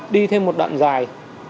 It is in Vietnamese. đi thêm một đoạn dài